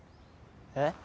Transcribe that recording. えっ？